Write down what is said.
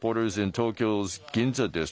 東京・銀座です。